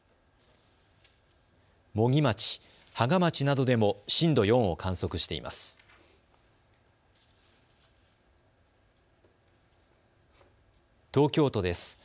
茂木町、芳賀町などでも震度４を観測しています。